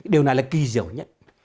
điều này là kỳ diệu nhất